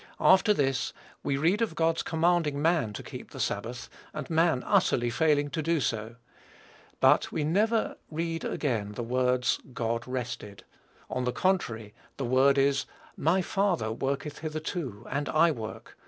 After this, we read of God's commanding man to keep the sabbath, and man utterly failing so to do; but we never read again the words, "God rested:" on the contrary, the word is, "My Father worketh hitherto, and I work."